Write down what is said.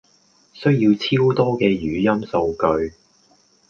需要超多嘅語音數據